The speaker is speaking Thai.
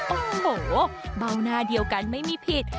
โอ้โหเบาหน้าเดียวกันไม่มีผิด